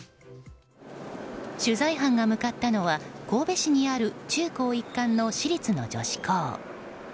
取材班が向かったのは神戸市にある中高一貫の女子高。